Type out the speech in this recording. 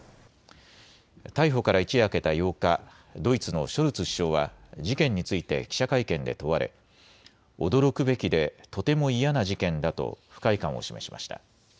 逮捕から一夜明けた８日、ドイツのショルツ首相は事件について記者会見で問われ驚くべきでとても嫌な事件だと不快感を示しました。